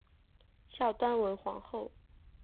孝端文皇后。